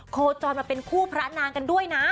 โคจรมาเป็นคู่พระนางกันด้วยนะ